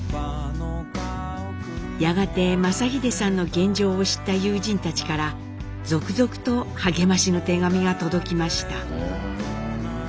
やがて正英さんの現状を知った友人たちから続々と励ましの手紙が届きました。